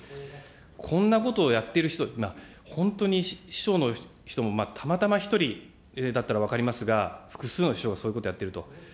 こんなことをやっている人、本当に秘書の人もたまたま１人だったら分かりますが、複数の秘書がそういうことをやっていると。